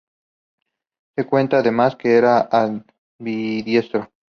Se cuenta, además, que era ambidiestro.